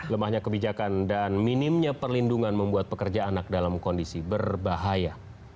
lemahnya kebijakan dan minimnya perlindungan membuat pekerja anak dalam kondisi berbahaya